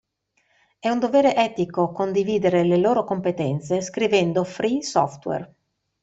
È un dovere etico condividere le loro competenze scrivendo free software.